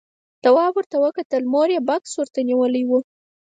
تواب ور وکتل، مور يې بکس ورته نيولی و.